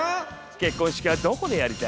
結婚式はどこでやりたい？